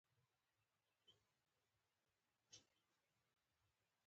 استنادي دیوالونه په درې ډولونو ویشل شوي دي